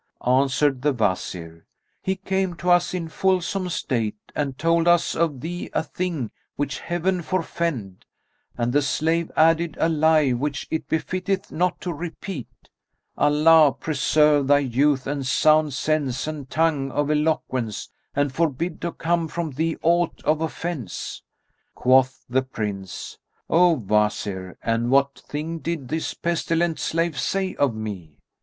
Answered the Wazir, "He came to us in fulsome state and told us of thee a thing which Heaven forfend; and the slave added a lie which it befitteth not to repeat, Allah preserve thy youth and sound sense and tongue of eloquence, and forbid to come from thee aught of offense!" Quoth the Prince, "O Wazir, and what thing did this pestilent slave say of me?"